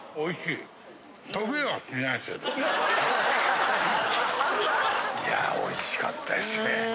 いやおいしかったですね。